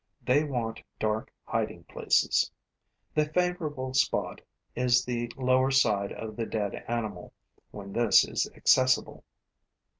They want dark hiding places. The favorite spot is the lower side of the dead animal, when this is accessible.